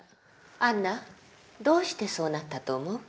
杏奈どうしてそうなったと思う？